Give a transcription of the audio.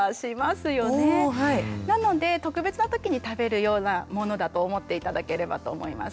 なので特別な時に食べるようなものだと思って頂ければと思います。